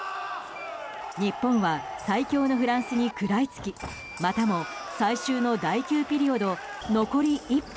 日本は最強のフランスに食らいつきまたも最終の第９ピリオドを残り１分。